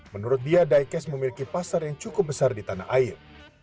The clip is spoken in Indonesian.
menurut dia diecast memiliki pasar yang cukup besar di tanah air